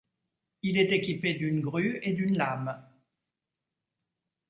Il est équipé d'une grue et d'une lame.